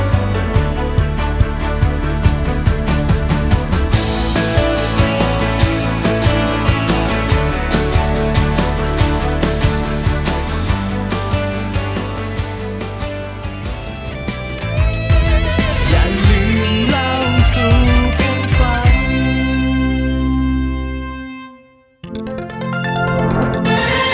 หน้าจอไทยรัฐทีวีกับรายการเล่าสู่กันฟังครับ